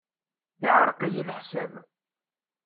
Iɛreq-iyi leḥsab.